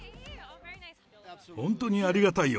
本当にありがたいよ。